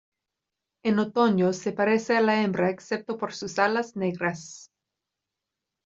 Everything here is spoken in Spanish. En otoño se parece a la hembra excepto por sus alas negras.